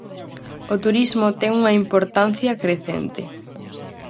O turismo ten unha importancia crecente.